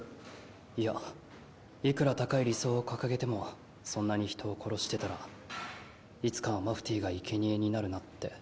いやいくら高い理想を掲げてもそんなに人を殺してたらいつかはマフティーが生贄になるなって。